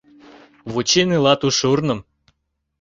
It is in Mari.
Вучен илат у шурным.